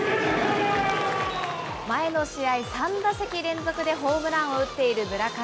前の試合、３打席連続でホームランを打っている村上。